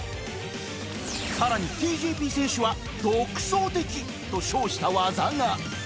更に ＴＪＰ 選手は「独創的」と称した技が